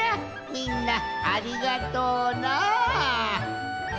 みんなありがとうな。